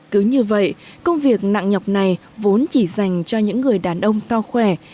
cứ như vậy công việc nặng nhọc này vốn chỉ dành cho những người đàn ông to khỏe